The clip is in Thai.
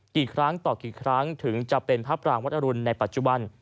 กี่ครั้งต่อกี่ครั้งถึงจะเป็นพระปรางวัดอรุณในปัจจุบัน